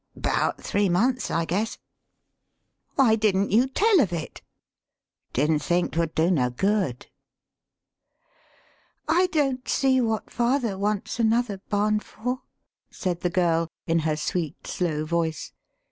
" 'Bout three months, I guess." "Why didn't you tell of it?" " Didn't think 'twould do no good." " I don't see what father wants another barn for;" said the girl, in her sweet, slow voice.